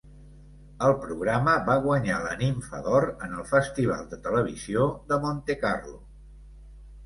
El programa va guanyar la Nimfa d'Or en el Festival de Televisió de Montecarlo.